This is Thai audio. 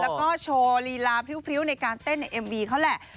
แล้วก็โชว์ลีลาพริ้วในการเต้นในเอ็มวีเขาแหละ